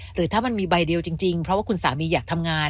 หรือถ้ามันมีใบเดียวจริงเพราะว่าคุณสามีอยากทำงาน